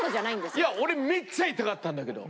いや俺めっちゃ痛かったんだけど。